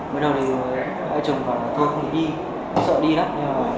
mới đầu thì hai chồng bảo là thôi không đi sợ đi lắm